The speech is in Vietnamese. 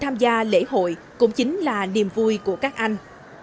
những người dân tham gia lễ hội cũng chính là niềm vui của các anh